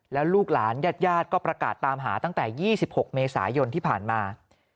แล้วลูกหลานญาติก็ประกาศตามหาตั้งแต่๒๖เมษายนที่ผ่านมา